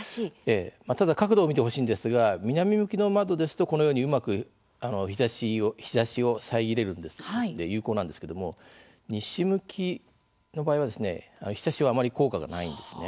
ただ角度を見てほしいんですが南向きの窓ですとこのように、うまく日ざしを遮れるので有効なんですけれども西向きの場合は、ひさしはあまり効果がないんですね。